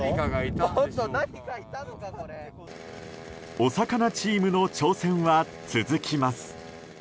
お魚チームの挑戦は続きます。